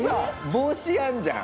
帽子あるじゃん。